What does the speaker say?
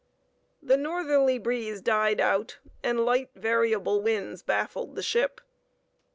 The northerly breeze died out, and light variable winds baffled the ship.